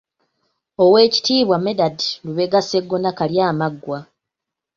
Owekitiibwa Medard Lubega Sseggona Kalyamaggwa.